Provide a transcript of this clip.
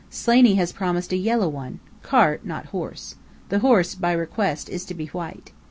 Slaney has promised a yellow one cart, not horse. The horse, by request, is to be white.